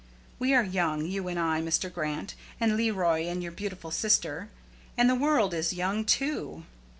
We are young, you and I, Mr. Grant, and Leroy, and your beautiful sister, and the world is young too!"